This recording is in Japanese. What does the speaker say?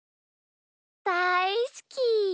だいすき。